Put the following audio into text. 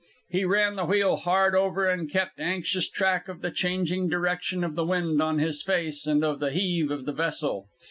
He ran the wheel hard over and kept anxious track of the changing direction of the wind on his face and of the heave of the vessel.